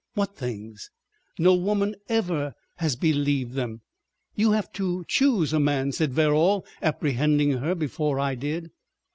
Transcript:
"What things?" "No woman ever has believed them." "You have to choose a man," said Verrall, apprehending her before I did.